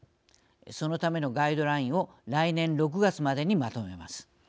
そのためのガイドラインを来年６月までにまとめます。